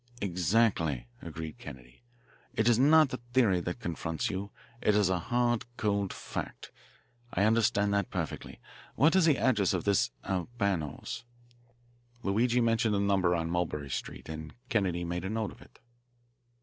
"Exactly," agreed Kennedy. "It is not a theory that confronts you. It is a hard, cold fact. I understand that perfectly. What is the address of this Albano's?" Luigi mentioned a number on Mulberry Street, and Kennedy made a note of it.